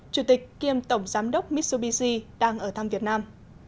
chủ tịch kiêm tổng giám đốc mitsubishi đang ở thăm việt nam